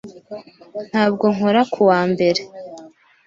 Ntabwo nkora kuwa mbere.